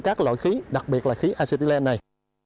các loại khí đặc biệt là khí acetilene này